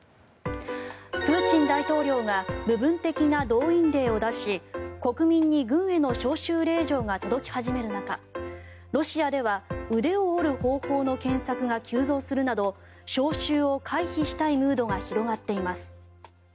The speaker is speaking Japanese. プーチン大統領が部分的な動員令を出し国民に軍への招集令状が届き始める中ロシアでは「腕を折る方法」の検索が急増するなど招集を回避したいムードが広がっています。